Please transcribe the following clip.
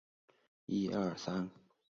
同时是没有转辙器的棒线车站。